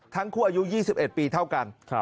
ทั้งคู่อายุ๒๑ปีเท่ากัน